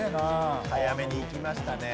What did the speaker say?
早めにいきましたね。